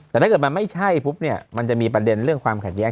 แต่ถ้าเกิดมันไม่ใช่มันจะมีประเด็นเรื่องความแข็งแยก